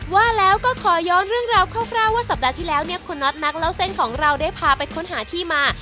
ว่าแล้วก็ขอย้อนเรื่องราวคร่าวว่าสัปดาห์ที่แล้วเนี่ยคุณน็อตนักเล่าเส้นของเราได้พาไปค้นหาที่มา